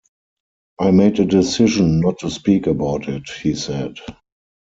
"I made a decision not to speak about it," he said.